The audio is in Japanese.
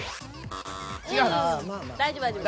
大丈夫大丈夫。